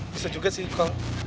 bisa juga sih kol